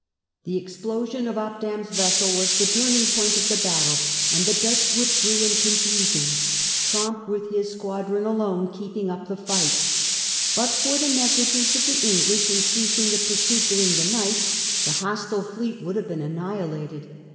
The explosion of Opdam's vessel was the turning point Battle off battle, and Dutch withdrew in con Lowestoft, fusion, Tromp with his squadron alone keeping June 3, 1663. U p t j ie But for the negligence of the English in ceasing the pursuit during the night, the hos tile fleet would have been annihilated.